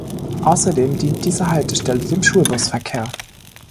Außerdem dient diese Haltestelle dem Schulbusverkehr.